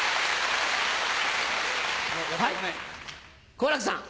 好楽さん。